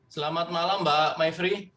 selamat malam mbak maifri